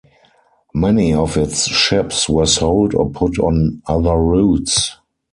Many of its ships were sold or put on other routes.